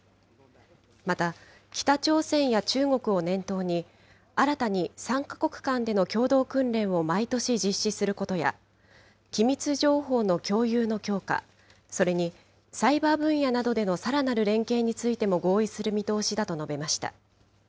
また、北朝鮮や中国を念頭に、新たに３か国間での共同訓練を毎年実施することや、機密情報の共有の強化、それにサイバー分野などでのさらなる連携についても合意する見通しだと述べました。